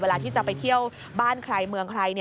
เวลาที่จะไปเที่ยวบ้านใครเมืองใคร